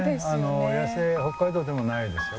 野生北海道でもないですよ